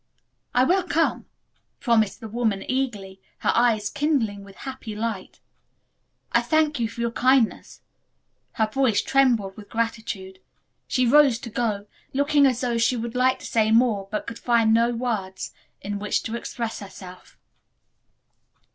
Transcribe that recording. "I will come," promised the woman eagerly, her eyes kindling with happy light. "I thank you for your kindness." Her voice trembled with gratitude. She rose to go, looking as though she would like to say more but could not find words in which to express herself.